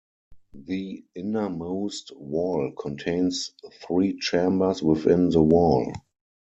The innermost wall contains three chambers within the wall.